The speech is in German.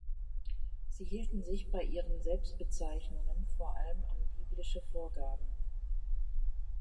Sie hielten sich bei ihren Selbstbezeichnungen vor allem an biblische Vorgaben.